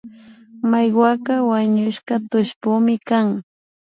Maiwaka wañushka tullpuymi kan